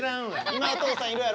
今お父さんいるやろ？